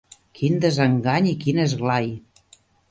Quin desengany i quin esglai